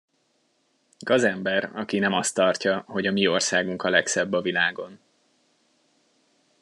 Gazember, aki nem azt tartja, hogy a mi országunk a legszebb a világon!